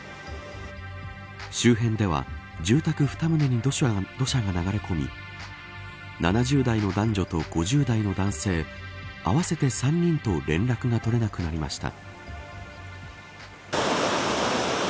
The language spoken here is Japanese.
周辺では住宅２棟に土砂が流れ込み７０代の男女と５０代の男性合わせて３人と連絡が取れなくなりました。